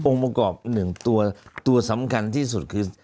ประกอบหนึ่งตัวสำคัญที่สุดคือ